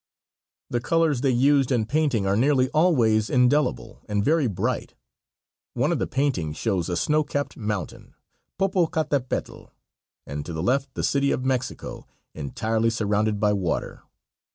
The colors they used in painting are nearly always indelible and very bright. One of the paintings shows a snow capped mountain. Popocatepetl, and to the left the City of Mexico, entirely surrounded by water.